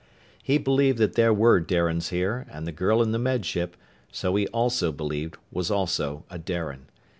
He believed that there were Darians here, and the girl in the Med ship, so he also believed, was also a Darian.